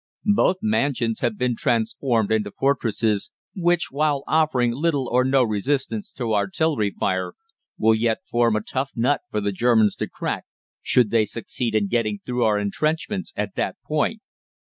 "Both mansions have been transformed into fortresses, which, while offering little or no resistance to artillery fire, will yet form a tough nut for the Germans to crack, should they succeed in getting through our entrenchments at that point.